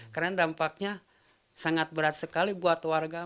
karena dampaknya sangat berat sekali buat warga